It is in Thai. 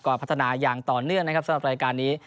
ก็พัฒนาอย่างต่อเนื่องนะครับสำหรับรายการนี้